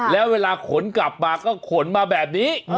แล้วเวลาขนกลับมาก็ขนมาแบบนี้